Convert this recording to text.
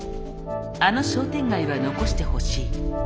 「あの商店街は残してほしい」